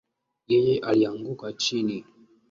Yeye alianguka chini